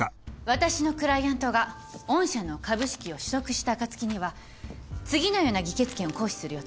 私のクライアントが御社の株式を取得した暁には次のような議決権を行使する予定です。